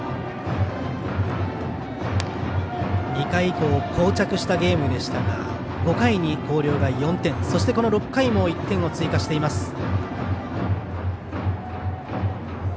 ２回以降こう着したゲームでしたが５回に広陵が４点この６回も１点を追加しています。